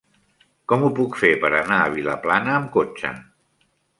Com ho puc fer per anar a Vilaplana amb cotxe?